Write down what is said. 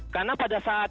karena pada saat